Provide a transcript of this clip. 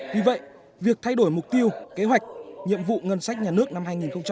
vì vậy việc thay đổi mục tiêu kế hoạch nhiệm vụ ngân sách nhà nước năm hai nghìn hai mươi